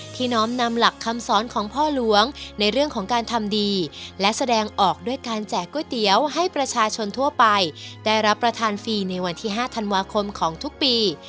น้อมนำหลักคำสอนของพ่อหลวงในเรื่องของการทำดีและแสดงออกด้วยการแจกก๋วยเตี๋ยวให้ประชาชนทั่วไปได้รับประทานฟรีในวันที่๕ธันวาคมของทุกปี